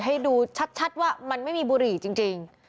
ให้ดูชัดว่ามันไม่มีบุหรี่จริง